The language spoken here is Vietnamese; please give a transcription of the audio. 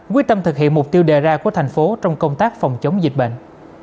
quyết tâm thực hiện mục tiêu đề ra của thành phố trong công tác phòng chống dịch bệnh